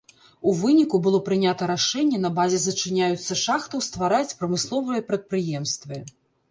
У выніку было прынята рашэнне на базе зачыняюцца шахтаў ствараць прамысловыя прадпрыемствы.